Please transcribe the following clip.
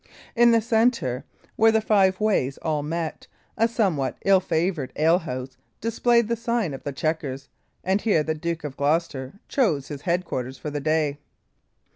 In the centre, where the five ways all met, a somewhat ill favoured alehouse displayed the sign of the Chequers; and here the Duke of Gloucester chose his headquarters for the day.